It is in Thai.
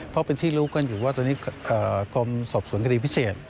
เพราะเป็นที่รู้กันอยู่ว่าตรงนี้กรมสอบสวนที่สำหรับคณิตพิเศษ